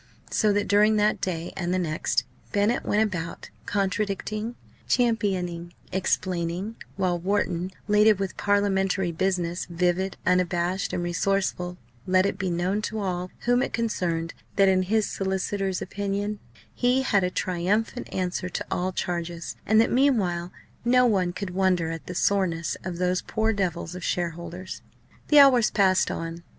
So that during that day and the next, Bennett went about contradicting, championing, explaining; while Wharton, laden with parliamentary business, vivid, unabashed, and resourceful, let it be known to all whom it concerned that in his solicitor's opinion he had a triumphant answer to all charges; and that meanwhile no one could wonder at the soreness of those poor devils of shareholders. The hours passed on.